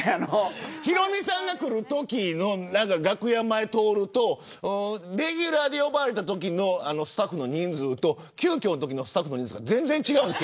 ヒロミさんが来るときの楽屋前を通るとレギュラーで呼ばれたときのスタッフの人数と急きょのときの人数全然違うんです。